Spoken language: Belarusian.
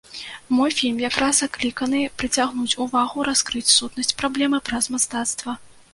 Мой фільм як раз закліканы прыцягнуць увагу, раскрыць сутнасць праблемы праз мастацтва.